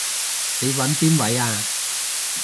你搵邊位啊？